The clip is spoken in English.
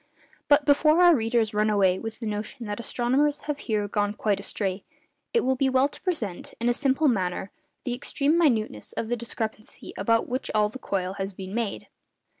But before our readers run away with the notion that astronomers have here gone quite astray, it will be well to present, in a simple manner, the extreme minuteness of the discrepancy about which all the coil has been made.